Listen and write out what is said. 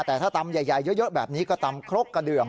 แต่ถ้าตำใหญ่เยอะแบบนี้ก็ตำครกกระเดือง